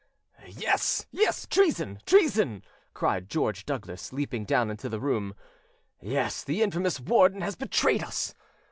"Yes, yes, treason, treason!" cried George Douglas, leaping down into the room. "Yes, the infamous Warden has betrayed us!"